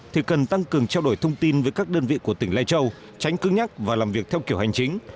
thì cần tăng cường trao đổi thông tin với các đơn vị của tỉnh lai châu tránh cứng nhắc và làm việc theo kiểu hành chính